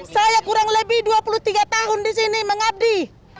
saya kurang lebih dua puluh tiga tahun di sini mengabdi